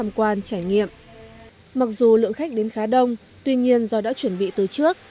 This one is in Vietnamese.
mặc dù lượng khách đến khá đông tuy nhiên do đã chuẩn bị từ trước